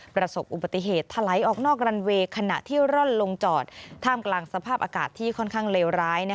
ประสบอุบัติเหตุถลายออกนอกรันเวย์ขณะที่ร่อนลงจอดท่ามกลางสภาพอากาศที่ค่อนข้างเลวร้าย